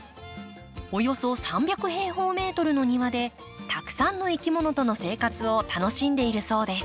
およそ３００平方メートルの庭でたくさんのいきものとの生活を楽しんでいるそうです。